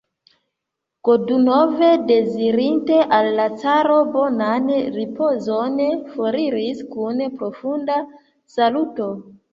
Godunov, dezirinte al la caro bonan ripozon, foriris kun profunda saluto.